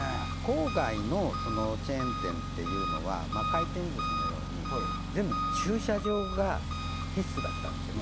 郊外のチェーン店っていうのは回転寿司のように全部駐車場が必須だったんですよ